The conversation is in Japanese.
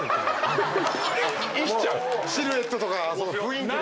シルエットとかその雰囲気で。